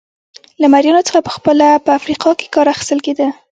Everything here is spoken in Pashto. له مریانو څخه په خپله په افریقا کې کار اخیستل کېده.